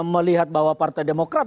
melihat bahwa partai demokrat